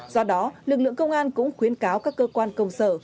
do đó lực lượng công an cũng khuyến cáo các cơ quan công sở